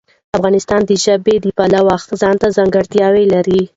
افغانستان د ژبې د پلوه ځانته ځانګړتیا لري.